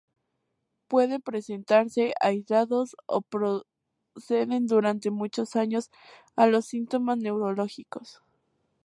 Pueden presentarse aislados o preceden durante muchos años a los síntomas neurológicos.